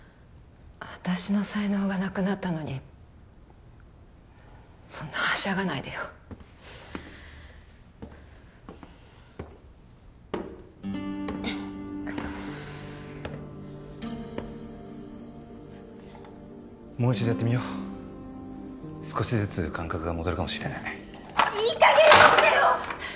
私の才能がなくなったのにそんなはしゃがないでよもう一度やってみよう少しずつ感覚が戻るかもしれないいい加減にしてよ！